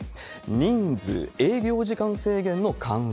人数、営業時間制限の緩和。